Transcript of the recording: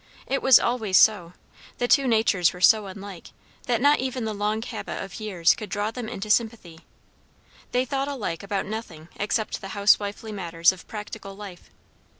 It was always so. The two natures were so unlike, that not even the long habit of years could draw them into sympathy. They thought alike about nothing except the housewifely matters of practical life.